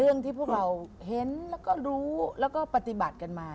เรื่องที่พวกเราเห็นแล้วก็รู้แล้วก็ปฏิบัติกันมา